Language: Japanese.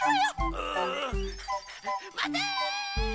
まて！